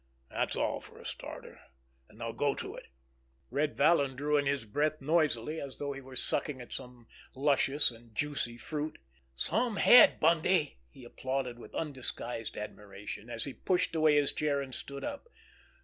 That's all for a starter—and now go to it!" Red Vallon drew in his breath noisily, as though he were sucking at some luscious and juicy fruit. "Some head, Bundy!" he applauded with undisguised admiration, as he pushed away his chair and stood up.